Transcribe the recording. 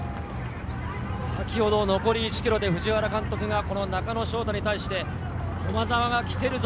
先ほど残り１ｋｍで藤原監督が中野に対し、駒澤が来てるぞ！